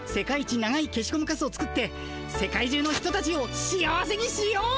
長いけしゴムカスを作って世界じゅうの人たちを幸せにしよう！